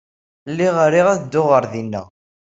Lliɣ riɣ ad dduɣ ɣer din.